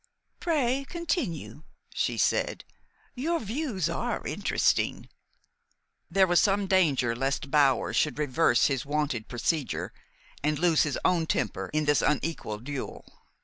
"Pray continue," she said. "Your views are interesting." There was some danger lest Bower should reverse his wonted procedure, and lose his own temper in this unequal duel.